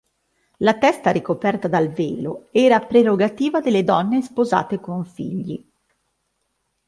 La testa ricoperta dal velo era prerogativa delle donne sposate con figli.